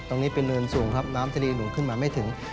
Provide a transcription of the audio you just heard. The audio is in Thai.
ตรงนี้เป็นเนินสูงครับน้ำทะเลหนุนขึ้นมาไม่ถึง